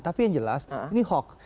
tapi yang jelas ini hoax